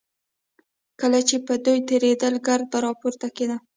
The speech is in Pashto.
کله چې به دوی تېرېدل ګرد به راپورته کېده.